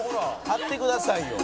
「買ってくださいよ」